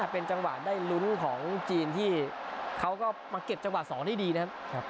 เป็นจังหวะได้ลุ้นของจีนที่เขาก็มาเก็บจังหวะ๒ที่ดีนะครับ